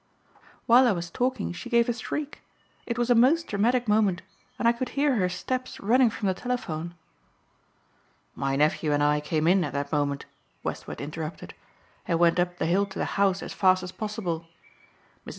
While I was talking she gave a shriek it was a most dramatic moment and I could hear her steps running from the telephone." "My nephew and I came in at that moment," Westward interrupted, "and went up the hill to the house as fast as possible. Mrs.